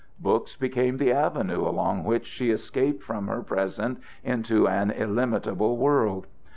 Books became the avenues along which she escaped from her present into an illimitable world.